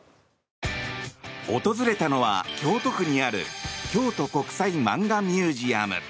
訪れたのは京都府にある京都国際マンガミュージアム。